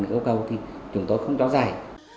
những yêu cầu thì chúng tôi không cho giải